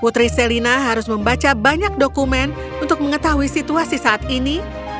putri selina harus membaca banyak dokumen untuk mengetahui situasi saat ini